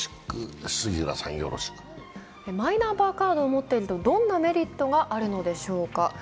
マイナンバーカードを持っているとどんなメリットがあるのでしょか。